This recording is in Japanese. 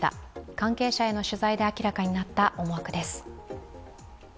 関係者への取材で明らかになった思惑です。